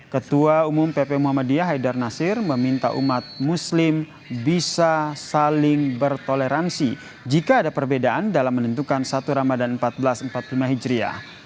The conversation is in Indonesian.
ketua umum pp muhammadiyah haidar nasir meminta umat muslim bisa saling bertoleransi jika ada perbedaan dalam menentukan satu ramadhan seribu empat ratus empat puluh lima hijriah